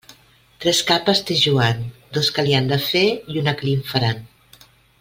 Tres capes té Joan, dos que li n'han de fer i una que li'n faran.